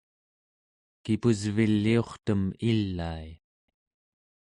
kipusviliurtem ilai